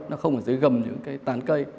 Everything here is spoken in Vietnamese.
nó không ở dưới gầm những cái tán cây